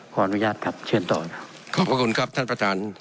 ขออนุญาตครับเชิญต่อขอบพระคุณครับท่านประธาน